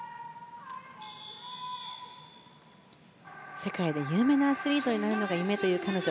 世界で有名なアスリートになるのが夢という彼女。